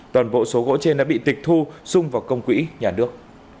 toàn bộ số gỗ trên đã bị tịch thu xung vào công quỹ nhà nước